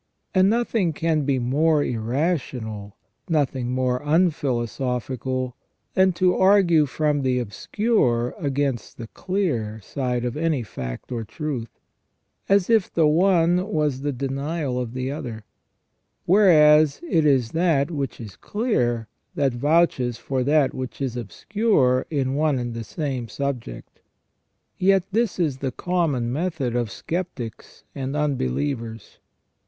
And nothing can be more irrational, nothing more unphilosophical, than to argue from the obscure against the clear side of any fact or truth, as if the one was the denial of the other ; whereas it is that which is clear that vouches for that which is obscure in one and the same subject. Yet this is the common method of sceptics and unbelievers.